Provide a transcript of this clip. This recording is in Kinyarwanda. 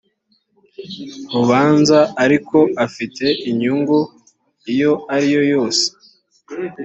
rubanza ariko afite inyungu iyo ari yo yose